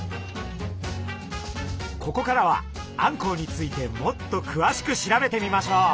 ここからはあんこうについてもっとくわしく調べてみましょう！